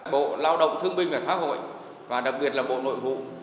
bộ lao động thương binh và xã hội và đặc biệt là bộ nội vụ